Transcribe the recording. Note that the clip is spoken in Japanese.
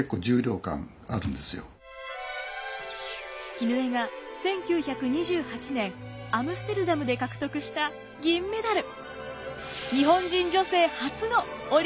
絹枝が１９２８年アムステルダムで獲得した銀メダル。